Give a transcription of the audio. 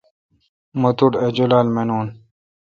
مہ توٹھ اؘ جولال مانون۔